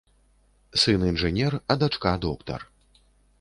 Сын інжынер, а дачка доктар.